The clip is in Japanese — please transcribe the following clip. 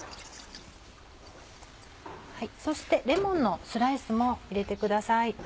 そしてレモンのスライスも入れてください。